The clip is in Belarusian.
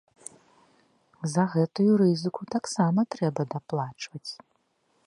За гэтую рызыку таксама трэба даплачваць.